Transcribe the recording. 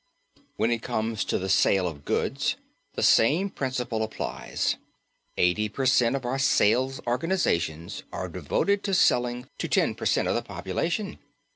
When it comes to the sale of goods, the same principle applies. Eighty per cent. of our sales organizations are devoted to selling to ten per cent. of the population.